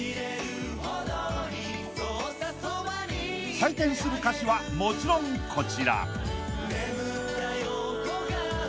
［採点する歌詞はもちろんこちら］